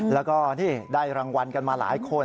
แล้วก็นี่ได้รางวัลกันมาหลายคน